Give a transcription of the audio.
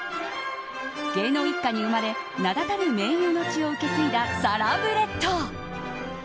芸能一家に生まれ名だたる名優の血を受け継いだサラブレッド。